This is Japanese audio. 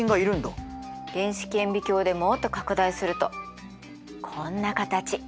電子顕微鏡でもっと拡大するとこんな形。